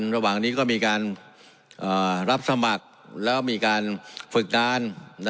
ระหว่างนี้ก็มีการรับสมัครแล้วมีการฝึกงาน